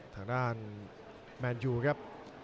ทางด้านแมนยูครับ